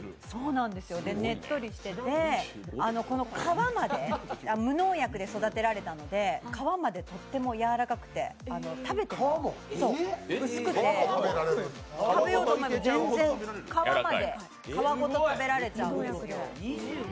ねっとりしてて、無農薬で育てられたので皮までとってもやわらかくて薄くて、食べようと思えば、全然、皮ごと食べられちゃうんですよ。